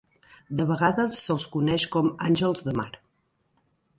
De vegades se'ls coneix com àngels de mar.